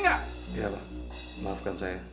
ya pak maafkan saya